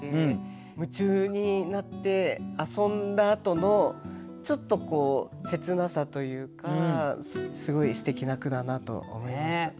夢中になって遊んだあとのちょっとこう切なさというかすごいすてきな句だなと思いました。